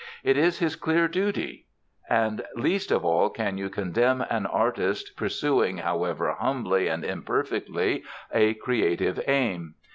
It is his clear duty. And least of all can you condemn an artist pursuing, however humbly and imperfectly, a creative aim.